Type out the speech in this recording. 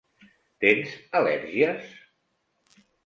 Tens al·lèrgies?